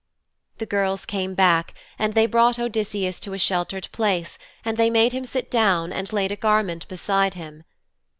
The girls came back and they brought Odysseus to a sheltered place and they made him sit down and laid a garment beside him.